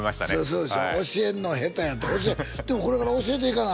そうでしょ教えるのは下手やとでもこれから教えていかな